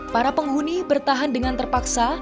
para penghuni bertahan dengan terpaksa